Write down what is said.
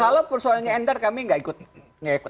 kalau persoalannya endar kami nggak ikut